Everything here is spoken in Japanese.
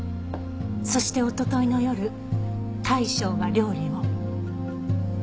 そしておとといの夜大将が料理を。